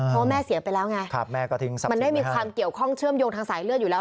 เพราะว่าแม่เสียไปแล้วไงมันได้มีความเกี่ยวข้องเชื่อมโยงทางสายเลือดอยู่แล้ว